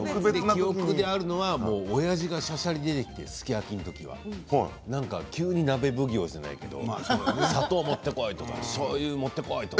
記憶にあるのはおやじがしゃしゃり出てきてすき焼きのときは急に鍋奉行じゃないけど砂糖持って来いとかしょうゆ持ってこいとか。